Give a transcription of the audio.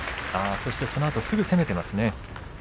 そのあとすぐ攻めていますね。